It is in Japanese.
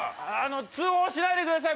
通報しないでください！